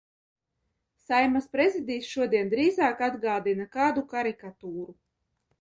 Saeimas Prezidijs šodien drīzāk atgādina kādu karikatūru.